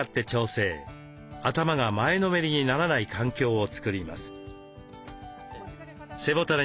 頭が前のめりにならない環境を作ります。